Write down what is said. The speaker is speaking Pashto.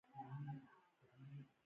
زمونږ په هیواد کی مالداری غیری معیاری ده